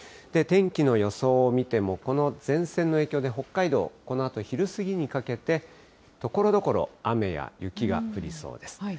天気の予想を見ても、この前線の影響で、北海道、このあと昼過ぎにかけて、ところどころ雨や雪が降りそうです。